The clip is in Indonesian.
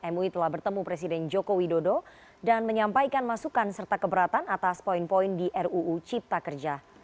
mui telah bertemu presiden joko widodo dan menyampaikan masukan serta keberatan atas poin poin di ruu cipta kerja